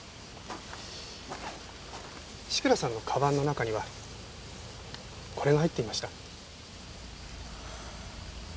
志倉さんの鞄の中にはこれが入っていました。